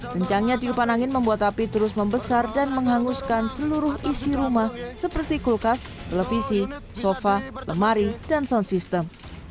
kencangnya tiupan angin membuat api terus membesar dan menghanguskan seluruh isi rumah seperti kulkas televisi sofa lemari dan sound system